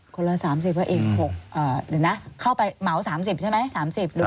คนละ๓๐ก็อีก๖หรือนะเข้าไปหมาว๓๐ใช่ไหม